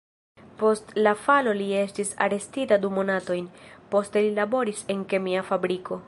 Post la falo li estis arestita du monatojn, poste li laboris en kemia fabriko.